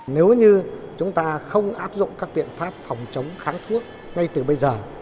nếu như chúng ta không áp dụng các biện pháp phòng chống kháng thuốc ngay từ bây giờ